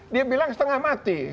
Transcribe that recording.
dia bilang setengah mati